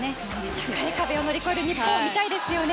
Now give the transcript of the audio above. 高い壁を乗り越える日本を見たいですよね。